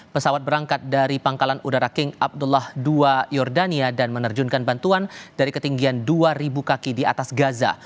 pesawat berangkat dari pangkalan udara king abdullah dua jordania dan menerjunkan bantuan dari ketinggian dua kaki di atas gaza